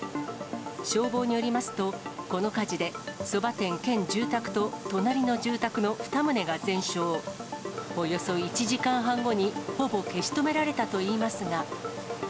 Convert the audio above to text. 消防によりますと、この火事でそば店兼住宅と隣の住宅の２棟が全焼、およそ１時間半後にほぼ消し止められたといいますが。